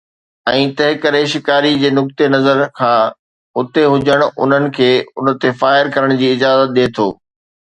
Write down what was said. ۽ تنهنڪري شڪاري جي نقطي نظر کان اتي هجڻ انهن کي ان تي فائر ڪرڻ جي اجازت ڏئي ٿو